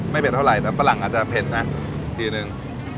ไม่เป็นเท่าไรแต่ฝรั่งอาจจะเผ็ดนะจริง